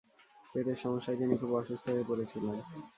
পেটের সমস্যায় তিনি খুব অসুস্থ হয়ে পড়েছিলেন।